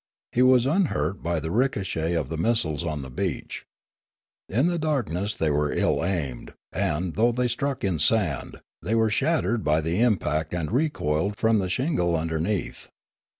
He was unhurt by the ricochet of the missiles on the beach. In the darkness they were ill aimed, and, though they struck in sand, they were shattered by the impact and recoiled from the shingle underneath.